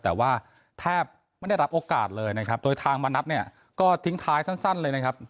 แต่ว่าแทบไม่ได้รับโอกาสเลยนะครับโดยทางมณัฐเนี่ยก็ทิ้งท้ายสั้นเลยนะครับ